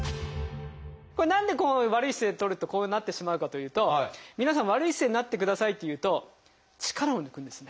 何でこう悪い姿勢とるとこうなってしまうかというと皆さん「悪い姿勢になってください」って言うと力を抜くんですね。